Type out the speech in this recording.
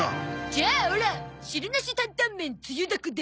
じゃあオラ汁なし担々麺つゆだくで。